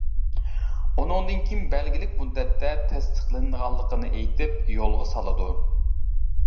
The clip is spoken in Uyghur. ئۇنىڭدىن كېيىن بەلگىلىك مۇددەتتە تەستىقلىنىدىغانلىقىنى ئېيتىپ يولغا سالىدۇ.